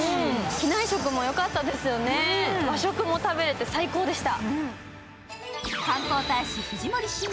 機内食もよかったですよね、和食も食べられて最高でした。